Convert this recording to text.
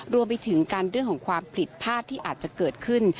รวมไปถึงกันเรื่องของความผิดพลาดที่อาจจะเกิดขึ้น